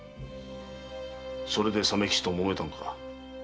それで鮫吉ともめたのか？